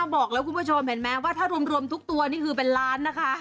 บอกแล้วคุณผู้ชมเห็นไหมว่าถ้ารวมทุกตัวนี่คือเป็นล้านนะคะ